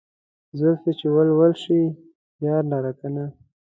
زلفې چې ول ول شي يار لره کنه